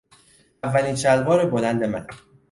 اولین شلوار بلند من